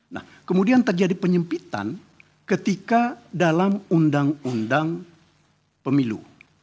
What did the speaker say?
nah kemudian terjadi penyempitan ketika dalam undang undang pemilu